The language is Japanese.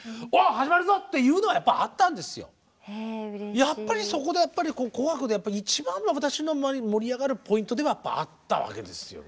やっぱりそこでやっぱり「紅白」で一番の私の盛り上がるポイントではあったわけですよね。